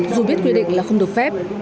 dù biết quy định là không được phép